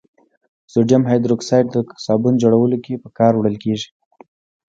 سودیم هایدروکساید د صابون جوړولو کې په کار وړل کیږي.